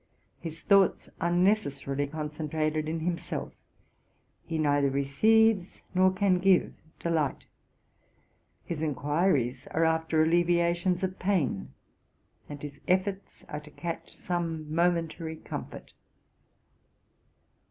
His thoughts are necessarily concentered in himself; he neither receives nor can give delight; his enquiries are after alleviations of pain, and his efforts are to catch some momentary comfort.